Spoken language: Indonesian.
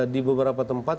di beberapa tempat